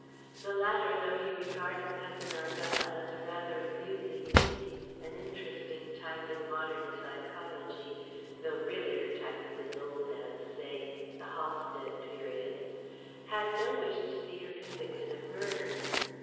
The latter though he regarded Cousin Arbella as a rather amusing minx, an interesting type in modern psychology (though really her type is as old as say the Hallstadt period) had no wish to see her convicted of murder.